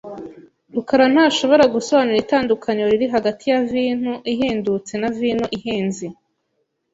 rukarantashobora gusobanura itandukaniro riri hagati ya vino ihendutse na vino ihenze.